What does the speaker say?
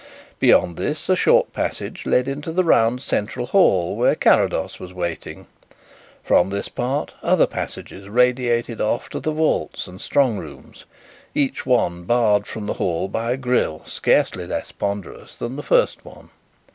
Beyond this, a short passage led into the round central hall where Carrados was waiting. From this part, other passages radiated off to the vaults and strong rooms, each one barred from the hall by a grille scarcely less ponderous than the first one.